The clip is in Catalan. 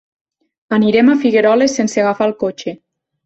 Anirem a Figueroles sense agafar el cotxe.